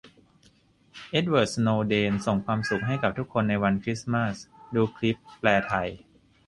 เอ็ดเวิร์ด สโนว์เดน ส่งความสุขให้กับทุกคนในวันคริสต์มาส - ดูคลิป : แปลไทย